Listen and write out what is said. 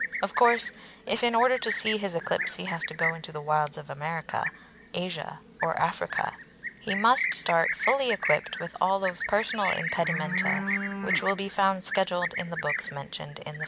Of course, if in order to see his eclipse he has to go into the wilds of America, Asia, or Africa, he must start fully equipped with all those personal impedimenta which will be found scheduled in the books mentioned in the footnote.